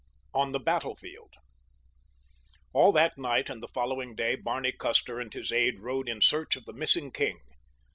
ON THE BATTLEFIELD All that night and the following day Barney Custer and his aide rode in search of the missing king.